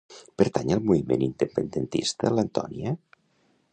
Pertany al moviment independentista l'Antonia?